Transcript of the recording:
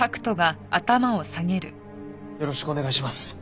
よろしくお願いします。